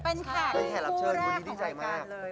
เป็นแขกผู้แรกของรายการเลย